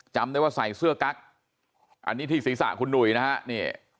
จำได้ว่าใส่เสื้อกั๊กอันนี้ที่ศีรษะคุณหนุ่ยนะฮะนี่